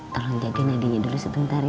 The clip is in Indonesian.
tolong jaga nadinya dulu sebentar ya